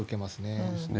そうですね。